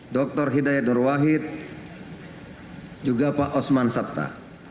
dr hidayat nurwahid juga pak osman sabta